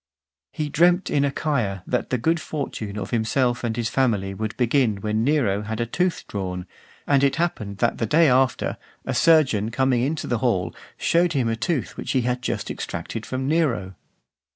He dreamt in Achaia that the good fortune of himself and his family would begin when Nero had a tooth drawn; and it happened that the day after, a surgeon coming into the hall, showed him a tooth which he had just extracted from Nero.